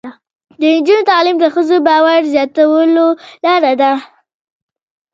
د نجونو تعلیم د ښځو باور زیاتولو لاره ده.